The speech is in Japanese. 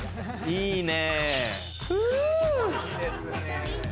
いいね。